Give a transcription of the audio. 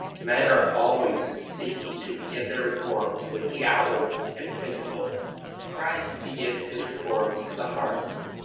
Men are always seeking to begin their reforms with the outward and physical. Christ begins his reforms in the heart.